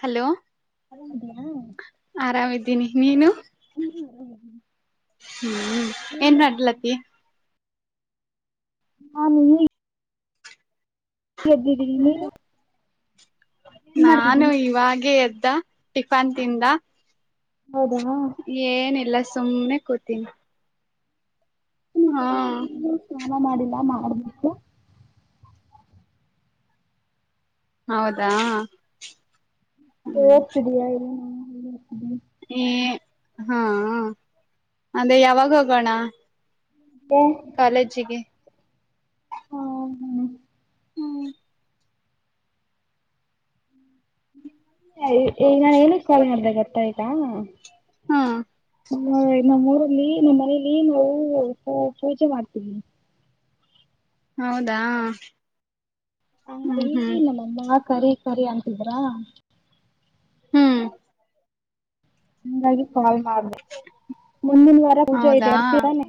Hello. ಇದೆಯಾ ಆರಾಮಿದ್ದೀನಿ ನೀನು? ಹ್ಮ್ ಆರಾಮಿದ್ದೀನಿ ಹ್ಮ್ ಏನ್ ಮಾಡ್ಲತಿ. ಆನು ಉಯ್ ಎದ್ದಿದ್ದೀನೀ ನೀನು ಏನ್ ಮಾಡ್ತಿದ್ದೀ? ದ್ದ ಟಿಫಾನ್ ತಿಂದಾ? ಹೌದಾ. ಏನಿಲ್ಲಾ ಸುಮ್ನೆ ಕೂತೀನಿ. ಹಾ ಸ್ನಾನಾ ಮಾಡಿಲ್ಲಾ ಮಾಡ್ಬೇಕು. ಹೌದಾ ಓತ್ತಿದಿಯಾ ಏನೂ ಏ ಹಾ ಆ ಅಂದ್ರೆ ಯಾವಾಗ್ ಹೋಗಣ. ಕಾಲೇಜಿಗೆ ಹೋಗಿನಿ. ಹ್ಮ ಏ ಅಯ್ ಏಯ್ ನಾನ್ ಏನುಕ್ ಕಾಲ್ ಮಾಡ್ದೆ ಗೊತ್ತ ಈಗ ಹ ನಮ್ಮ್ ಊರಲ್ಲಿ ನಮ್ಮ್ ಮನೇಲಿ ನಾವು ಪೂ ಪೂಜೆ ಮಾಡ್ತೀವಿ. ಹೌದಾ ಹ್ಮ್ ಹ್ಮ್ [unintelligible] ನಮ್ಮಮ್ಮ ಕರಿ ಕರಿ ಅಂತಿದ್ರಾ ಹ್ಮ್ ಹಂಗಾಗಿ ಕಾಲ್ ಮಾಡ ಮುಂದಿನ್ ವಾರ ಪೂಜೆ ಹೌದಾ ಇದೆ ಬರ್ತಿ ತಾನೆ.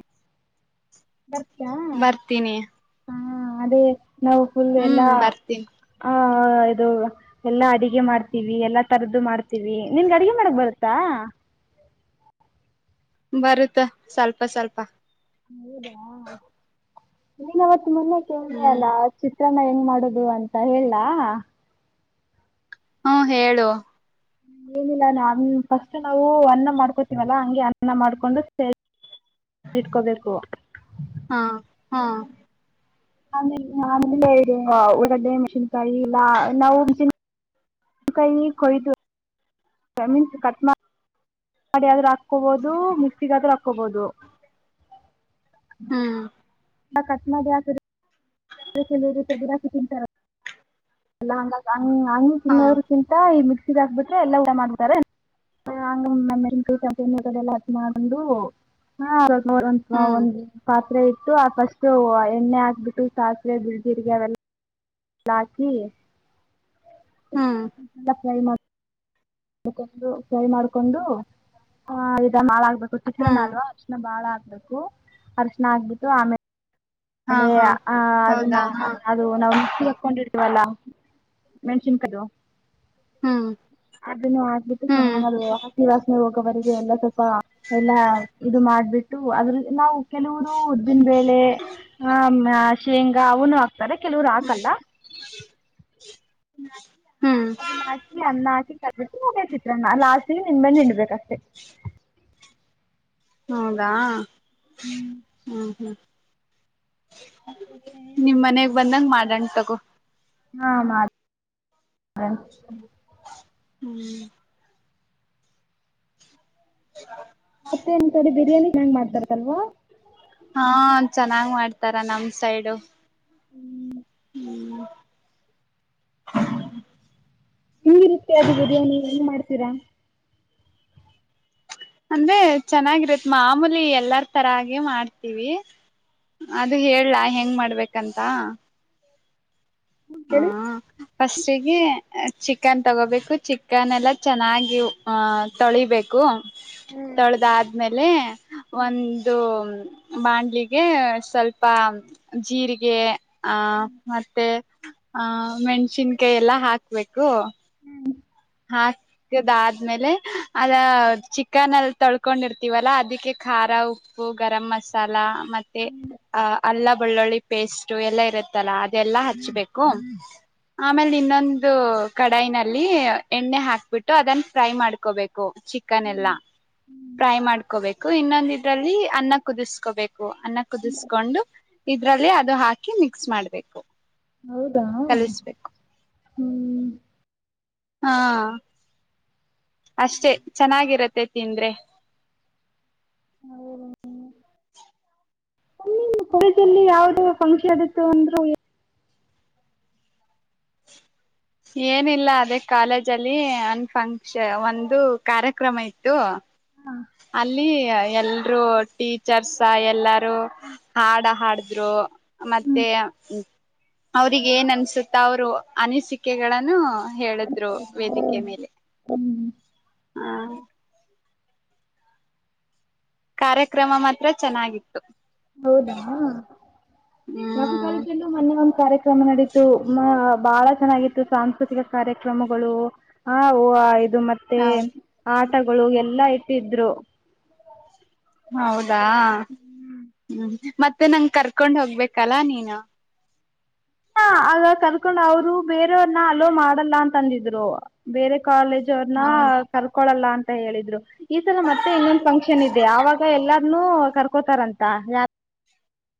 ಬರ್ತೀನಿ ಹಾ ಅದೇ ನಾವು ಫುಲ್ ಹ್ಮ್ ಎಲ್ಲಾ ಬರ್ತೀನಿ ಹ ಹಾ ಇದು ಎಲ್ಲಾ ಅಡಿಗೆ ಮಾಡ್ತೀವಿ ಎಲ್ಲಾ ತರದ್ದು ಮಾಡ್ ತೀವಿ ನಿನ್ಗ್ ಅಡಿಗೆಗೆ ಮಾಡಕ್ ಬರ ತ್ತಾ ಬರುತ್ತೆ ಸ್ವಲ್ಪ ಸ್ವಲ್ಪ ಹೌದಾ ನೀನವತ್ ಮೊನ್ನೆ ಕೇಳಿದೆ ಅಲ ಹ್ಮ್ ಚಿತ್ರ ನ್ನ ಹೆಂಗ್ ಮಾಡುದು ಅಂತ ಹೇಳ್ಲಾ? ಹ್ಮ ಹೇಳು ಏನಿಲ್ಲ ನಾವು ಫಸ್ಟ್ ನಾವು ಅನ್ನ ಮಾಡ್ಕೋತೀವಲ್ಲಾ ಹಂಗೆ ಅನ್ನ ಮಾಡ್ಕೊಂಡು [unintelligible] ಇಟ್ಕೋಬೇಕು. ಹಾ ಹಾ ಆಮೇಲ್ ಆಮೇಲೆ ಇದು ಉಳ್ಳಾಗಡ್ಡೆ ಮೆಣ್ಸಿನ್ ಕಾಯಿ ಇಲ್ಲ ನಾವು ಮಿಶಿನ್ ಕೈನೀ ಕೊಯ್ದು ಹ ಮೀನ್ಸ್ ಕಟ್ಮಾ ಮಾಡಿ ಆದ್ರೂ ಹಾಕೋಬೋದು ಮಿಕ್ಸಿಗಾದ್ರೂ ಹಾಕೋಬೋದು. ಹ್ಮ ನ ಕತ್ ಮಾಡಿ ಹಾಕುದ್ರೆ [unintelligible] ಜೊತೆ ಜಿರಾಫೆ ತಿಂತಾ ರಲ್ಲ ಹಂಗಾಗ್ ಆ ಹ್ಮ್ ಅಂಗ್ ಹಾ ತಿನ್ನವ್ರ್ ಕಿಂತ ಇಲ್ ಕ್ಬಿಟ್ರೆ ಎಲ್ಲಾ ಊಟ ಮಾಡ್ತಾರೆ ಹಂಗೆ [unintelligible] ನೋಡುವಂತ ಹ್ಮ್ ಒಂದು ಕಾ ತ್ರೆ ಇಟ್ಟು ಆ ಫಸ್ಟ್ ಎಣ್ಣೆ ಹಾಕ್ಬಿಟ್ಟು ಸಾಸ್ ಬಿಳಿ ಜೀರಿಗೆ ಅವೆಲ್ ಲಾಕಿ ಹ್ಮ್ ಟ್ರೈ ಮಾಡ್ ಡ್ಕೊಂಡು ಫ್ರೈ ಮಾಡ್ಕೊಂಡು ಆ ಇದನ್ ಹಾಳಾಗ್ [unintelligible] ಕು ಚಿತ್ರಾನ್ನ ಹ್ಮ್ ಅಲ್ವ ಅರ್ಣ ಬಾಳ ಆಕ್ [unintelligible] ಅರಶಣ ಆಗ್ಬಿಟ್ಟು ಆಮೇ ಹಾ ಮೇಲೇ ಹಾ ಆ ಅದನ್ನ ಹೌದಾ ಹಾ ಅದು [unintelligible] ತಿವಲ್ಲ ಮೆಣ್ಶಿನ್ಕಾಯ್ದು ಹ್ಮ್ ಅದನ್ನು ಹಾಕ್ ಬಿಟ್ಟು ಹ್ಮ್ ಸುಮಾರು ಹಸಿ ವಾಸನೆ ಹೋಗೋವರೆಗು ಎಲ್ಲ ಸ್ವಲ್ಪ ಎಲ್ಲಾ ಇದು ಮಾಡ್ಬಿ ಟು ಅದ್ರಲ್ಲಿ ನಾವ್ ಕೆಲವರು ಉದ್ದಿನ ಬೇಳೆ ಹ ಶೇಂಗಾ ಅವನು ಹಾಕ್ತಾರೆ ಕೆಲವರು ಹಾಕಲ್ಲ. [unintelligible] ಅದನ್ನ ಹಾಕಿ ಅನ್ನ ಹಾಕಿ ಕರ್ಬಿಟ್ಟು ಹೋಗ್ಯ ಚಿತ್ರನ್ನ ಲಾಸ್ಟಿಗೆ ನಿಂಬೆ ಹಣ್ಣ್ ಹಿಂಡ್ಬೇಕಷ್ಟೆ. ಹೌದಾ ಹ್ಮ ಹ್ಮ ನಿಮ ಮನೆಗ್ ಬಂದಂಗ ಮಾಡಣ್ ತಗೊ. [unintelligible] ಹ್ ಹ್ಮ್ [unintelligible] ಮತ್ತೆ ಎಂತದಿ ಬಿರಿಯಾನಿ ಹೆಂಗ್ ಮಾಡ್ತಾರ? ತ್ತಲ್ವಾ ಹಾ ಚೆನ್ನಾಗ್ ಮಾಡ್ತಾರ ನಮ್ ಸೈಡು. ಹ್ಮ್ ಹ್ಮ್ [inaudible] ಹಂಗಿರುತ್ತೆ ಅದು ಬಿರಿಯಾನಿ ಹೆಂಗ್ ಮಾಡ್ತೀರಾ? ಅಂದ್ರೆ ಚೆನ್ನಾಗಿರತ್ ಮಾಮೂಲಿ ಎಲ್ಲಾರ್ ತರಗೆ ಮಾಡ್ತೀವಿ ಅ ದು ಹೇಳ್ಲಾ ಹೆಂಗ್ ಮಾಡ್ಬೇಕನ್ ತಾ ಹಾ ಫಸ್ಟಿಗೆ ಚಿಕನ್ ತಗೋಬೇಕು ಚಿಕನ್ ಎಲ್ಲ ಚೆನ್ನಾಗಿ ಅಹ ತೊಳಿಬೇಕು. ಹ್ಮ್ ತೊಳ್ದ್ ಆದ್ಮೇಲ್ ಲೇ ಒಂದು ಬಾಣ್ಲಿಗೆ ಸ್ವಲ್ಪ ಜೀರಿಗೆ ಆ ಮತ್ತೆ ಹ ಮೆಣ್ಸಿನ್ಕಾಯಿ ಎಲ್ಲ ಹಾಕ್ಬೇಕು. ಹ್ಮ್ ಹಾಕದಾದ್ಮೇಲೆ ಅದು ಚಿಕನಲ್ಲಿ ತೊಳ್ಕೊಂಡಿರ್ತೀವಲ್ಲ ಅದಕ್ಕೆ ಖಾರ ಉಪ್ಪು ಗರಂ ಮಸಾಲ. ಮತ್ತೆ ಆ ಅಲ್ಲಬ್ ಬೆಳ್ಳುಳ್ಳಿ ಪೇಸ್ಟ್ ಎಲ್ಲಾ ಇರುತ್ತಲ್ಲ ಅದೆಲ್ಲಾ ಹಚ್ಬೇಕು ಆಮೇಲೆ ಇನ್ನೊಂದು ಕಡಾಯ್ ನಲ್ಲಿ ಎಣ್ಣೆ ಹಾಕ್ಬಿಟ್ಟು ಅದನ್ನ ಫ್ರೈ ಮಾಡ್ಕೋಬೇಕು ಚಿಕನ್ ಎಲ್ಲಾ ಫ್ರೈ ಮಾಡ್ಕೋಬೇಕು ಇನ್ನೊಂದ ಇದ್ರಲ್ಲಿ ಅನ್ನ ಕುದಿಸ್ಕೋಬೇಕು ಅನ್ನ ಕುದಿಸ್ಕೊಂಡು ಇದ್ರಲ್ಲಿ ಅದು ಹಾಕಿ ಮಿಕ್ಸ್ ಮಾಡ್ಬೇಕು ಹೌದಾ ಕಲಿಸ್ಬೇಕು ಹ್ಮ್ ಹಾ ಅಷ್ಟೆ ಚೆನ್ನಾಗಿರತ್ ತಿಂದ್ರೆ [unintelligible] ಒಮ್ಮಿ ಕೊಲಜಲ್ಲಿ ಯಾವುದು ಫಂಕ್ಷನ್ ಇತ್ತು ಅಂದ್ರು ಏನಿಲ್ಲ ಅದೇ ಕಾಲೇಜ ಅಲ್ಲಿ ಒಂದ ಫಂಕ್ಷನ್ ಒಂದು ಕಾರ್ಯಕ್ರಮ ಇತ್ತು ಅಲ್ಲಿ ಲ್ಲಿ ಎಲ್ರು ಟೀಚರ್ಸ ಎಲ್ಲಾರೂ ಹಾಡ ಹಾಡಿದ್ರು ಮತ್ತೆ ಅವ್ರಗ ಏನ್ ಅನ್ಸುತ್ತ ಅವ್ರು ಅನಿಸಿಕೆಗಳನ್ನು ಹೇಳಿದ್ರು ವೇದಿಕೆ ಮೇಲೆ ಹ್ಮ್ ಹಾ ಕಾರ್ಯಕ್ರಮ ಮಾತ್ರ ಚೆನ್ನಾಗಿತ್ತು ಹೌದಾ ನಮ್ಮ ಹ್ಮ್ ಕಾಲೇಜಲ್ಲು ಮೊನ್ನೆ ಒ ಕಾರ್ಯಕ್ರಮ ನಡೀತು ಬಹಳ ಚೆನ್ನಾಗಿತ್ತು ಸಾಂಸ್ಕೃತಿಕ ಕಾರ್ಯಕ್ರಮಗಳು ಆ ಓ ಅ ದು ಮತ್ತೆ ಹೌದ್ ಆ ಆಟಗಳು ಎಲ್ಲಾ ಇಟ್ಟಿದ್ರು ಹೌದ್ ಹಾ ಮ ಮತ್ತೆ ನಂ ಕರ್ಕೊಂಡ್ ಹೋಗ್ಬೇಕಲ್ಲಾ ನೀನು ಹಾ ಆಗ ಕರ್ಕೊಂಡ್ ಅವರು ಬೇರೆಯವ್ರನ್ನ ಅಲೋ ಮಾಡಲ್ಲ ಅಂತ ಅಂದಿದ್ರು ಬೇರೆ ಕಾಲೇಜ್ ಅವ್ರನ್ನ ಹೌದ್ ಕಲ್ಕೊಳ್ಳಲ್ಲ ಅಂತ ಹೇಳಿದ್ರು ಈ ಸಲ ಮತ್ತೆ ಇನ್ನೊಂದ್ ಫಂಕ್ಷನ್ ಇದೆ ಆವಾಗ ಎಲ್ಲಾರ್ನು ಕರ್ಕೋತಾರಂತ ಯ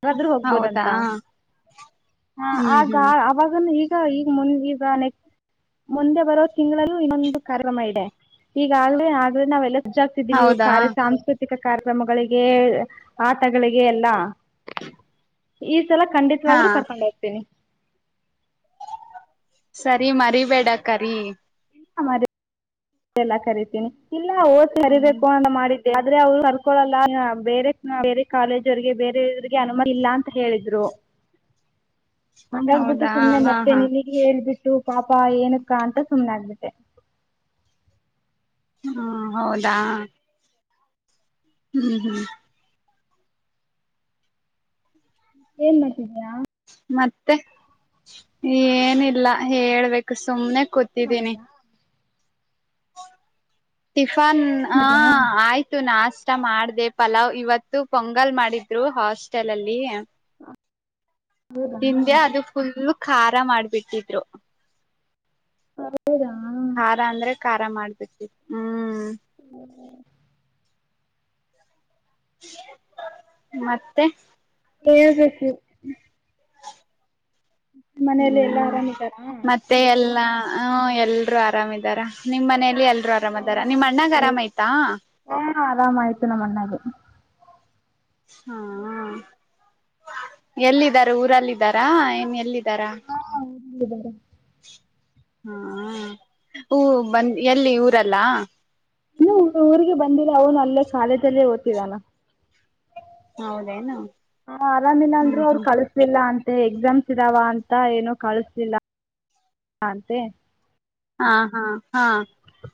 ಹಾಗಾದ್ರೂ ಹೌದಾ ಹೋಗ್ಬೋದಂತ ಹ ಹ್ಮ್ ಆಗ ಹ್ಮ್ ಅವಾಗ ಈಗ್ ಈಗ ಮುಂದ್ ಈಗ ನೆಕ್ಸ್ಟ್ ಮುಂದೆ ಬರೋ ತಿಂಗಳಲ್ಲೂ ಇನ್ನೊಂದು ಕಾರ್ಯಕ್ರಮ ಇದೆ ಈಗಾಗಲೇ ಆಗ್ಲ ನಾವ್ ಎಲ್ಲ ಜಾಸ್ತಿ ಡಿವ್ ಹೌದಾ ಕಾರ್ಯ ಸಂಕ್ರುತ್ ಕ ಕಾರ್ಯಕ್ರಮಗಳಿಗೆ ಆಟಗಳಿಗೆ ಎಲ್ಲಾ ಈ ಎಲ್ಲ ಹಾ ಖಂಡಿತವಾಗ್ಲು ಕರ್ಕೊಂಡ ಹೋಗ್ತೀನಿ ಸರಿ ಮರಿಬೇಡ ಕರಿ ಮರಿಯಲ್ಲ ಕರಿತೀನಿ ಇಲ್ಲ ಓಸ ಹ್ಮ್ ಹರಿಬೇಕು ಅಂತ ಮಾಡಿ ಆದ್ರೆ ಅವ್ರು ಕರೋಕೊಳಲ್ಲಾ [unintelligible] ಬೇರೆ ಬೇರೆ ಕಾಲೇಜ್ ಅವ್ರಿಗೆ ಬೇರೋರಿಗೆ ಅನುಮತಿ ಇಲ್ಲ ಅಂತ ಹೇಳಿದ್ರು ಹಾಂಗ್ಗಾಗ್ಬಿಟ್ಟು ಹೌದಾ ಸುಮ್ಮನೆ ಹಾ ಮತ್ತೆ ಹಾ ನಿನಗೆ ಹೇಳ್ಬಿಟ್ಟು ಪಾಪ ಏನಕ್ಕಾ ಅಂತ ಸುಮನೆ ಆಗ್ಬೇಕ್ [unintelligible] ಹಾ ಹೌದಾ ಹ್ಮ್ ಹ್ಮ್ ಏನ್ ಮಾಡ್ತಿದೀಯಾ ಮತ್ತೆ ಏನಿಲ್ಲ ಹೇಳ್ಬೇಕು [unintelligible] ಸುಮ್ನೆ ಕೂತಿದ್ದೀನಿ [unintelligible] ಇಫಾನ್ ಹ ಆಯ್ತು ನಾಸ್ ಊಟ ಮಾಡ್ದೆ ಪಲಾವ್ ಇವತ್ತು ಪೊಂಗಲ್ ಮಾಡಿದ್ರು ಹಾಸ್ಟೆಲ್ ಅಲ್ಲಿ ತಿಂದೆ [unintelligible] ಅದು ಫುಲ್ ಖಾರ ಮಾಡ್ಬಿಟ್ಟಿದ್ರು ಹೌದಾ [unintelligible] ಖಾರ ಅಂದ್ರೆ ಖಾರ ಮಾಡ್ಬಿಟಿ [unintelligible] ಹ್ಮ್ [unintelligible] ಮತ್ತೆ ಹೇಳ್ಬೇಕು [unintelligible] ಮನೇಲಿ ಎಲ್ಲಾ ಹ್ಮ್ ಆರಾಮಿದಾರಾ ಮತ್ತೆ ಎಲ್ಲ ಹ್ಮ ಎಲ್ಲರು [unintelligible] ಆರಾಮ ಇದಾರ ನಿಮ್ ಮನೇಲಿ ಎಲ್ ಆರಾಮ್ ಅದಾರ [unintelligible] ನಿಮ್ಮ್ ಅಣ್ಣಾಗ ಆರಾಮಯತಾ ಹಾ ಆರಾಮ ಆಯ್ತು ನಮ್ಮ ಹ್ಮ ಹ್ಮ್ ಎಲ್ಲಿದ್ದಾರೆ ಊರಲ್ಲಿದ್ದಾರಾ ಏನ್ ಎಲ್ಲ ಹ ಇದರ [unintelligible] ಹ್ಮ ಹೂ ಬಂದ್ ಎಲ್ಲಿ ಊ [unintelligible] ಇದಲ್ಲ [unintelligible] ಊರಿಗೆ ಬಂದಿಲ್ಲ ಅವನು ಅಲ್ಲೇ ಕಾಲೇಜಲ್ಲೇ ಓಡ್ತಿದ್ನಾ ಹೌದೇನು ಹ ಆರಾಮಿಲ್ಲ ಅಂದ್ರು ಹ್ಮ್ ಅವ್ರು ಹ್ಮ್ ಕಳಸಲಿಲ್ಲ ಅಂತೆ ಎಕ್ಸಾಮ್ಸ್ ಇದ್ದಾವ ಅಂತ ಏನೂ ಕಳಿಸ್ಲಿಲ್ಲ ಅಂತೆ ಹಾ ಹಾ ಹಾ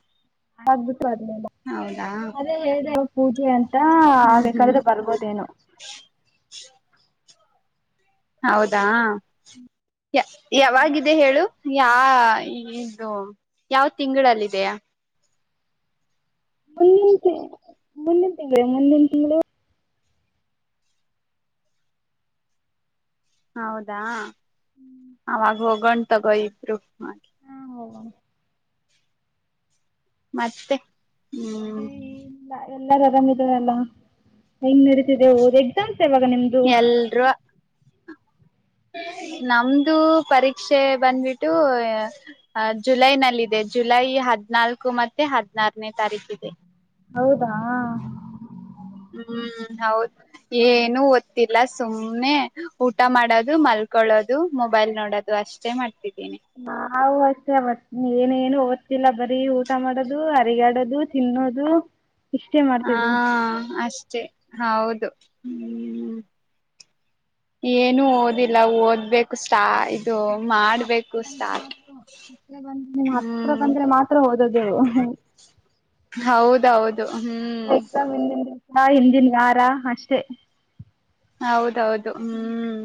[unintelligible] [unintelligible] ಹೌದಾ ಅದೇ ಹೇಳ್ದೇ [unintelligible] ದಾ [unintelligible] ಆ ಹ್ಮ್ ಹ್ಮ್ ಬೇಕಾದ್ರೆ ಬರ್ಬೋದೇನೊ ಹೌದಾ ಯ ಯಾವಾಗಿದೆ ಹೇಳು ಯಾ ಇದು ಯಾವ ತಿಂಗಳಲ್ಲಿದೆಯಾ ಮುಂದಿನ ತಿ ಮುಂದಿನ ತಿಂಗಳು ಮುಂದಿನ ತಿಂಗಳು ಹೌದಾ ಅವಾಗ ಹೋಗೊಂಡ್ ತಗೋ ಇಬ್ರೂ ಹೌ ಮತ್ತೆ ಹ್ಮ್ ಎಲ್ಲಾರ ಆರಾಮ್ ಇದಾರ ಅಲ್ಲಾ ಹೆಂಗ್ ನಡೀತಿದೆ ದ ಎಕ್ಸಾಮ್ ಸ್ ಯವಾಗ ನಿಮ್ದು ಎಲ್ರೂ ನಮ್ದು ಪರೀಕ್ಷೆ ಬಂದ್ಬಿಟ್ಟು ಜುಲೈನಲ್ಲಿದೆ ಜುಲೈ ಹದ್ನಾಲ್ಕು ಮತ್ತೆ ಹದ್ನಾರನೇ ತಾರೀಕ ಇದೆ ಹೌದಾ ಹ್ಮ್ ಹೌದು ಏನು ಓದ್ತ್ತಿಲ್ಲ ಸುಮ್ ನೆ ಊಟ ಮಾಡೋದು ಮಲ್ಕೊಳ್ಳೋದು ಮೊಬೈಲ್ ನೋಡೋದು ಅಷ್ಟೇ ಮಾಡ್ತೀವಿ [unintelligible] ಮೆ ಅವತ್ ಏನೇನು ಓದ್ತಿಲ್ಲ ಬರೀ ಊಟ ಮಾಡೋದು ಅರಿಗಾಡದು ತಿನ್ನೋದು ಇಷ್ಟೇ ಹಾ ಮಾಡ್ತಿದೀವಿ ಅಷ್ಟೇ ಹೌದು ಹ್ಮ್ ಏನು ಓದಿಲ್ಲ ಓದ್ಬೇಕು ಸ್ಟಾ ದು ಮಾಡ್ಬೇಕು ಸ್ಟಾರ್ಟ ನಿಮ್ಮ ಹತ್ರ ಹ್ಮ್ ಬಂದ್ರೆ ಮಾತ್ರ ಓದೋದು ಹೌದ್ ಹೌದ್ ದ್ ಹ್ಮ್ ಹ ಹಿಂದಿನ್ ಯಾರ ಅಷ್ಟೆ ಹೌದೌದು ಹ್ಮ್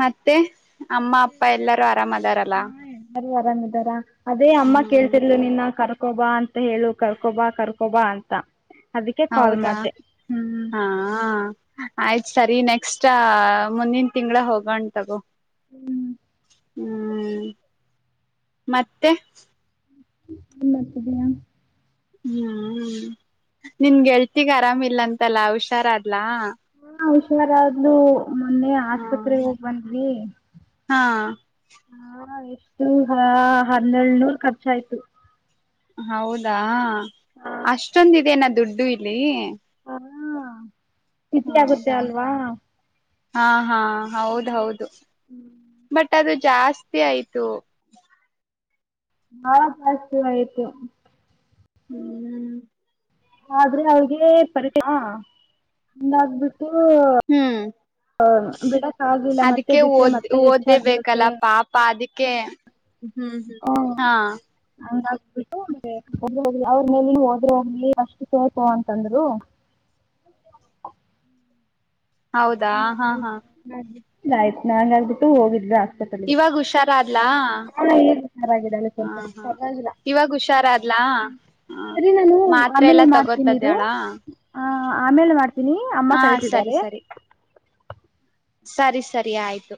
ಮತ್ತೆ ಅಮ್ಮ ಅಪ್ಪ ಎಲ್ಲಾರೂ ಆರಾಮದಾರಲ್ಲ ಎಲ್ಲರೂ ಆರಾಮಿದಾರ ಅದೇ ಅಮ್ಮ ಹ್ಮ್ ಕೇಳ್ತಿರ್ಲು ನಿನ್ನ ಕರ್ ಕರ್ಕೊಬಾ ಅಂತ ಹೇಳು ಕರ್ಕೊಬ ಕರ್ಕೊಬ ಅಂತ ಅದಕ್ಕೆ ಕಾಲ್ ಹೌದಾ ಮಾಡಿದೆ ಹ್ಮ್ ಹಾ ಆ ಆಯ್ತ್ ಸರಿ ನೆಕ್ಸ್ ಟಾ ಮುಂದಿನ್ ತಿಂಗಳಾ ಹೋಗೋಣ್ ತಗೋ ಹ್ಮ್ ಹ್ಮ್ ಮತ್ತೆ ಏನ್ ಮಾಡ್ತಿದೀಯಾ ಹ್ಮ್ ನಿನ್ ಗೆಳ್ತಿಗ್ ಆರಾಮಿಲ್ಲ ಅಂತಲ್ಲ ಹುಷಾರ್ ಆದ್ಲಾ ಹ ಹುಷಾರ್ ಅಂದ್ಲು ಮೊನ್ನೆ ಹ್ಮ್ ಆಸ್ಪತ್ರೆಗೆ ಹೋಗ್ ಬಂದ್ವಿ ಹಾ ಹಾ ಎಷ್ಟು ಹ ಹನ್ನೇಳನೂರ್ ಖರ್ಚ ಆಯ್ತು ಹೌದಾ ಅಷ್ಟೊಂದಿದೆ ನಾ ದುಡ್ ಡ್ಯೂ ಲಿ ಹಾ ತಿಥಿ ಹ ಆಗುತ್ತೆ ಹೌದಾ ಅಲ್ವಾ ಹಾ ಹಾ ಹೌದ ಹೌದು ಬಟ್ ಅದು ಜಾಸ್ತಿ ಆಯ್ತು ಹಾ ಕಸ್ತು ಆಯ್ತು ಹ್ಮ್ ಆದ್ರೆ ಅವಿಗೆ ತ ಹಿಂಗ್ ಆಗ್ಬಟ್ ಹ್ಮ್ ಬಿಡಕ್ ಆಗ್ಲಿಲ್ಲ ಮತ್ತೆ ಅದಕ್ಕೆ ಬಿಟ್ರೆ ಓದ ಮತ್ತೆ ಹೆಚ್ಚಾಗ್ಬಿಡುತ್ತೆ ಓದೇಬೇಕಲ್ಲ ಪಾಪ ಅದಿ ಕ್ಕೆ ಹ್ಮ್ ಹ್ಮ್ ಹ ಹಾ ಹಂಗಾಗ್ಬಿಟ್ಟು ಅವ್ರ ಮೇಲೆ ಹೋದ್ರೆ ಹೋಗಲಿ ಅಷ್ಟು ಸೇತ ಅಂತಂದ್ರು ಹೌದಾ ಹಾ ಹಾ ಯ್ತ್ ನಾನ್ ಆಗ್ಬಿಟ್ಟು ಹೋಗಿದ್ರು ಆಗ್ ಇವಾಗ್ ಹುಷಾರ್ ರಾದ್ಲಾ ಈಗ ಚೆನ್ನಾಗಿದ್ದಾಳೆ ಹಾ ಸ್ವಲ್ಪ ಹಾ ಇವಾಗ್ ಹುಷಾರಾದ್ಲಾ ಹ ಸರಿ ನಾನು ಮಾತ್ರೆ ಎಲ್ಲಾ ತಗೋತದಳ ಹ ಆಮೇಲೆ ಮಾಡ್ತ ನಿ ಅಮ್ಮ ಕರಿತಿದ್ದಾರೆ ಸರಿ ಸರಿ ಸರಿ ಆಯ್ತು